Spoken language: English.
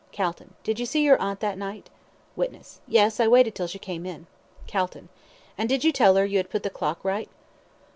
CALTON: Did you see your aunt that night? WITNESS: Yes, I waited till she came in. CALTON: And did you tell her you had put the clock right?